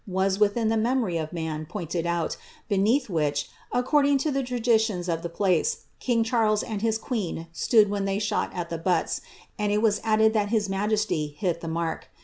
wan, within the memory of man, pointed out, beneath which* accordm^ to the tracJiiions of the place, kinf Chnriet and hii queen stood when they shot at the butts^ and it waa added thnt hk aa jesty hit the mark.